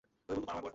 কখন মারা গেলো?